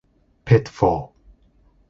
"Pitfall!